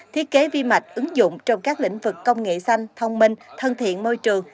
thiết kế vi mạch ứng dụng trong các lĩnh vực công nghệ xanh thông minh thân thiện môi trường